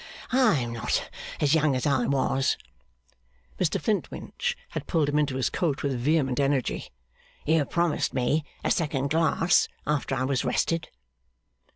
I'm not as young as I was.' Mr Flintwinch had pulled him into his coat with vehement energy. 'You promised me a second glass after I was rested.